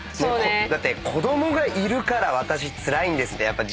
だって子供がいるから私つらいんですって。